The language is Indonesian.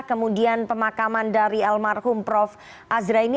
kemudian pemakaman dari almarhum prof azra ini